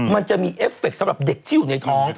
มันจะมีเอฟเฟคสำหรับเด็กที่อยู่ในท้อง